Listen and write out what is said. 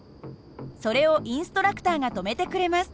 それをインストラクターが止めてくれます。